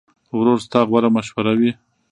ورور ستا غوره مشوره وي.